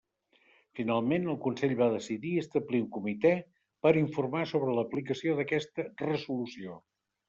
Finalment, el Consell va decidir establir un Comitè per informar sobre l'aplicació d'aquesta resolució.